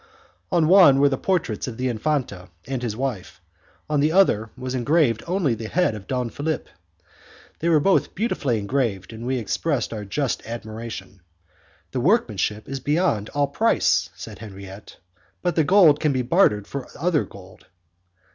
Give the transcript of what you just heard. On one were the portraits of the Infante and his wife, on the other was engraved only the head of Don Philip. They were both beautifully engraved, and we expressed our just admiration. "The workmanship is beyond all price," said Henriette, "but the gold can be bartered for other gold."